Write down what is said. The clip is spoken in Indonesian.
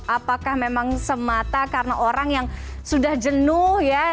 apakah memang semata karena orang yang sudah jenuh ya